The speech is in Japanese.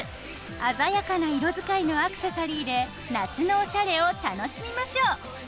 鮮やかな色づかいのアクセサリーで夏のおしゃれを楽しみましょう。